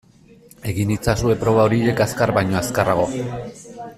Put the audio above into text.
Egin itzazue proba horiek azkar baino azkarrago.